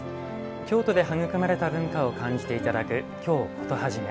京都で育まれた文化を感じていただく「京コトはじめ」。